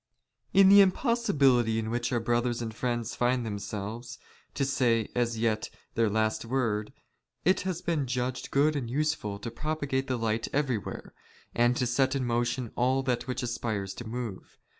'^ In the impossibility in which our brothers and friends ''find themselves, to say, as yet, their last word, it has been "judged good and useful to propagate the light everywhere, and " to set in motion all that which aspires to move.